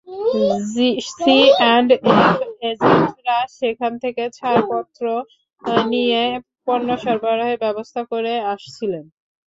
C&F এজেন্টরা সেখান থেকে ছাড়পত্র নিয়ে পণ্য সরবরাহের ব্যবস্থা করে আসছিলেন।